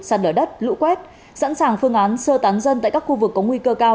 sạt lở đất lũ quét sẵn sàng phương án sơ tán dân tại các khu vực có nguy cơ cao